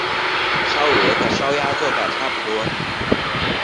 烧鹅和烧鸭做法差不多。